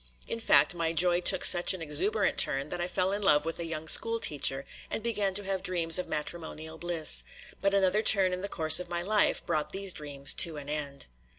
In fact, my joy took such an exuberant turn that I fell in love with a young school teacher and began to have dreams of matrimonial bliss; but another turn in the course of my life brought these dreams to an end.